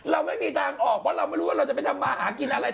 เราไม่มีทางออกเพราะเราไม่รู้ว่าเราจะไปทำมาหากินอะไร